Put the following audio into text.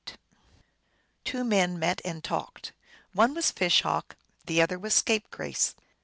Two men met and talked : one was Fish Hawk, the other was Scapegrace.